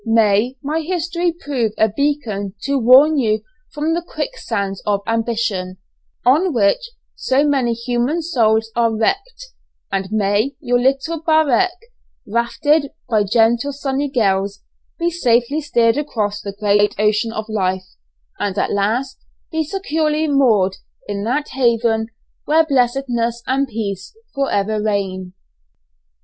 May my history prove a beacon to warn you from the quicksands of ambition, on which so many human souls are wrecked, and may your little barque, wafted by gentle sunny gales, be safely steered across the great ocean of life, and at last be securely moored in that haven where blessedness and peace for ever reign!